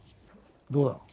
どうだ？